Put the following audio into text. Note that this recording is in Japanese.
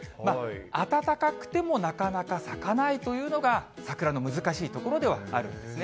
暖かくてもなかなか咲かないというのが、桜の難しいところではあるんですね。